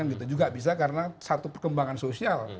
gitu juga bisa karena satu perkembangan sosial